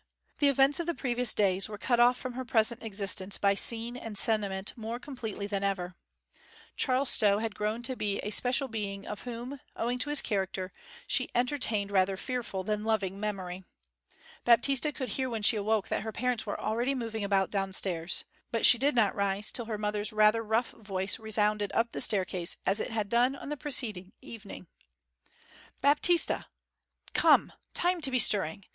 The events of the previous days were cut off from her present existence by scene and sentiment more completely than ever. Charles Stow had grown to be a special being of whom, owing to his character, she entertained rather fearful than loving memory. Baptista could hear when she awoke that her parents were already moving about downstairs. But she did not rise till her mother's rather rough voice resounded up the staircase as it had done on the preceding evening. 'Baptista! Come, time to be stirring!